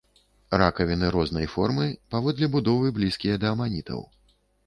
Ракавіны рознай формы, паводле будовы блізкія да аманітаў.